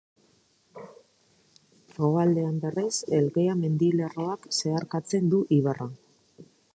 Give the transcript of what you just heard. Hegoaldean, berriz, Elgea mendilerroak zeharkatzen du ibarra.